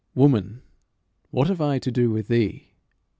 "Woman, what have I to do with thee?